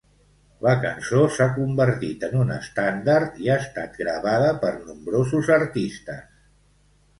La cançó s'ha convertit en un estàndard i ha estat gravada per nombrosos artistes.